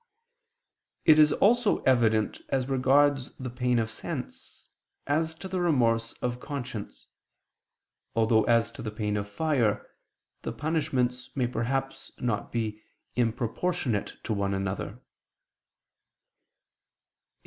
It is also evident as regards the pain of sense, as to the remorse of conscience; although as to the pain of fire, the punishments may perhaps not be improportionate to one another.